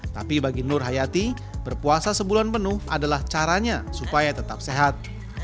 tapi bagi nur hayati berpuasa sebulan penuh adalah caranya supaya tetap sehat